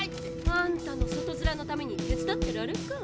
あんたの外づらのために手伝ってられるか！